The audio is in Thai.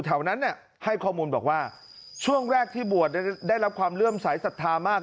แถวนั้นให้ข้อมูลบอกว่าช่วงแรกที่บวชได้รับความเลื่อมสายศรัทธามาก